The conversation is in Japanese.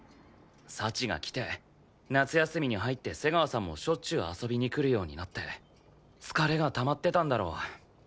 幸が来て夏休みに入って瀬川さんもしょっちゅう遊びに来るようになって疲れがたまってたんだろう。